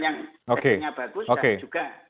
yang testingnya bagus dan juga